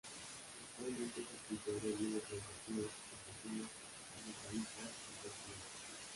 Actualmente es escritor de libros educativos, infantiles, ambientalistas y folklóricos.